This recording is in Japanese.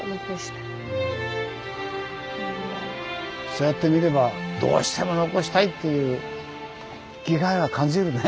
そうやって見ればどうしても残したいっていう気概は感じるね。